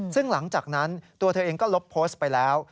ซึ่งหลังจากนั้นตัวเธอเองก็ลบโพสต์ไปแล้ว